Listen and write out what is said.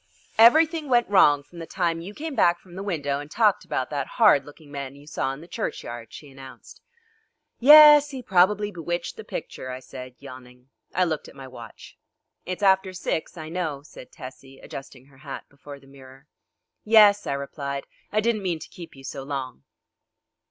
"Everything went wrong from the time you came back from the window and talked about that horrid looking man you saw in the churchyard," she announced. "Yes, he probably bewitched the picture," I said, yawning. I looked at my watch. "It's after six, I know," said Tessie, adjusting her hat before the mirror. "Yes," I replied, "I didn't mean to keep you so long."